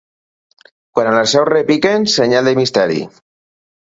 Quan a la Seu repiquen, senyal de misteri.